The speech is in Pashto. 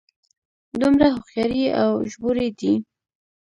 دومره هوښیارې او ژبورې دي.